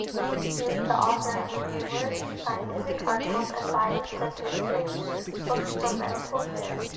He is the author of numerous scientific articles and biostatistics books for medical students.